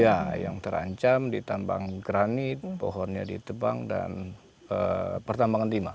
ya yang terancam ditambang granit pohonnya ditebang dan pertambangan timah